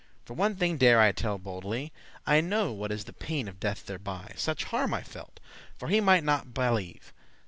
For one thing dare I telle boldely, I know what is the pain of death thereby; Such harm I felt, for he might not byleve.